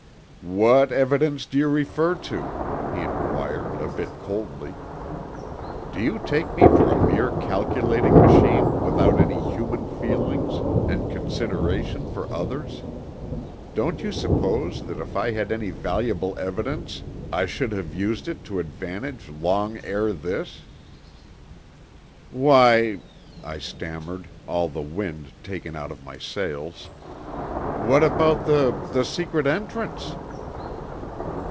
"What evidence do you refer to?" he inquired a bit coldly. "Do you take me for a mere calculating machine without any human feelings and consideration for others? Don't you suppose that if I had any valuable evidence I should have used it to advantage long ere this?" "Why," I stammered, all the wind taken out of my sails, "what about the the secret entrance?"